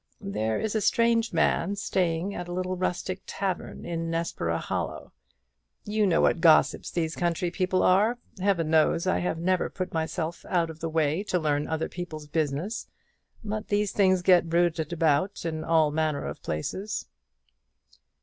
"There is a strange man staying at a little rustic tavern in Nessborough Hollow. You know what gossips these country people are; Heaven knows I have never put myself out of the way to learn other people's business; but these things get bruited about in all manner of places."